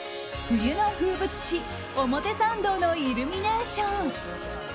冬の風物詩表参道のイルミネーション。